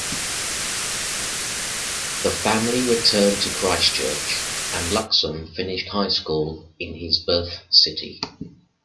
The family returned to Christchurch and Luxon finished high school in his birth city.